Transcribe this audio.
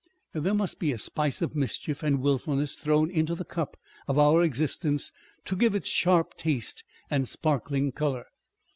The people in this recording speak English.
There must be a spice of mischief and wilfulness thrown into the cup of our existence to give it its sharp taste and sparkling colour.